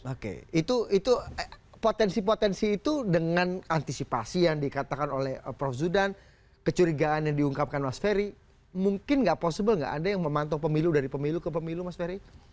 oke itu potensi potensi itu dengan antisipasi yang dikatakan oleh prof zudan kecurigaan yang diungkapkan mas ferry mungkin nggak possible nggak anda yang memantau pemilu dari pemilu ke pemilu mas ferry